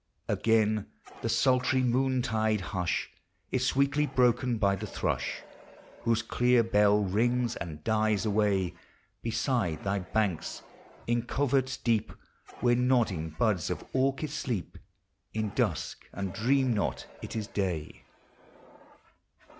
Again the sultry noontide hush Is sweetly broken by the thrush, Whose clear bell rings and dies away Beside thy banks, in coverts deep. Where nodding buds of orchis sleep In dusk, and dream not it is day.